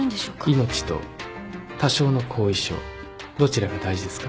命と多少の後遺症どちらが大事ですか？